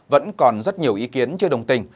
vẫn còn rất nhiều ý kiến chưa đồng tình